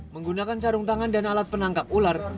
menggunakan sarung tangan dan alat penangkap ular